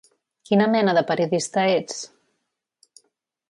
Quina mena de periodista ets?